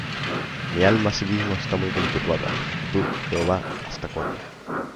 Mi alma asimismo está muy conturbada: Y tú, Jehová, ¿hasta cuándo?